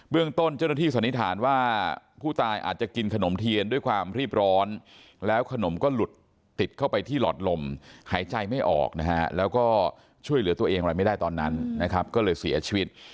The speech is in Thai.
เรื่องต้นเจ้าหน้าที่สันนิษฐานว่าผู้ตายอาจจะกินขนมเทียนด้วยความรีบร้อนแล้วขนมก็หลุดติดเข้าไปที่หลอดลมหายใจไม่ออกนะฮะแล้วก็ช่วยเหลือตัวเองอะไรไม่ได้ตอนนั้นนะครับก็เลยเสียชีวิต